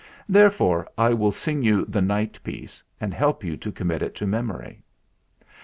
Therefore I will sing you the 'Night Piece' and help you to commit it to memory."